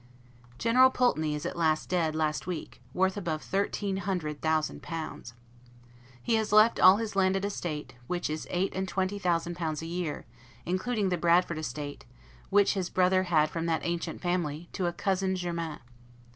General Pulteney is at last dead, last week, worth above thirteen hundred thousand pounds. He has left all his landed estate, which is eight and twenty thousand pounds a year, including the Bradford estate, which his brother had from that ancient family, to a cousin german.